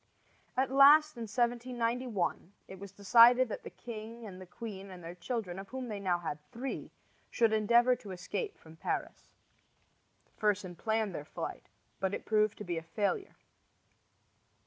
At last, in 1791, it was decided that the king and the queen and their children, of whom they now had three, should endeavor to escape from Paris. Fersen planned their flight, but it proved to be a failure.